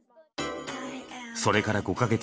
それから５か月。